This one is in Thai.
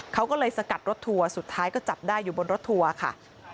เขาก็เลยสกัดรถทัวร์สุดท้ายก็จับได้อยู่บนรถทัวร์ค่ะ